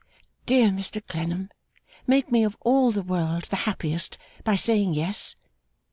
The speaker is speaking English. Dear Mr Clennam, make me of all the world the happiest, by saying Yes?